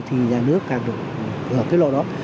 thì nhà nước càng được cái lo đó